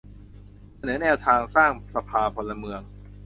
เสนอแนวทางสร้างสภาพลเมือง